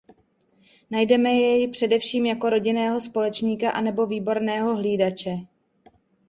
Najdeme jej především jako rodinného společníka anebo výborného hlídače.